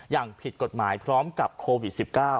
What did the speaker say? อย่างผิดกฎหมายพร้อมกับโควิด๑๙